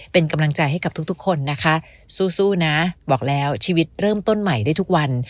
เป็นกำลังใจให้กับทุกคนนะคะสู้นะบอกแล้วชีวิตเริ่มต้นใหม่ได้ทุกวัน